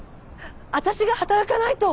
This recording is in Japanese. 私が働かないと。